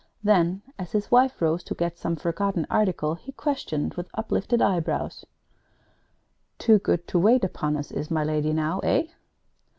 Then, as his wife rose to get some forgotten article, he questioned, with uplifted eyebrows: "Too good to wait upon us, is my lady now, eh?"